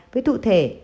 với thụ thể